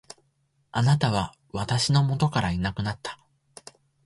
貴方は私の元からいなくなった。